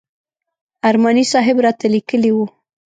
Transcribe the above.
ارماني صاحب راته لیکلي و.